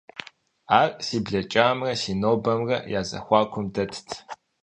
Ар си блэкӀамрэ си нобэмрэ я зэхуакум дэтт.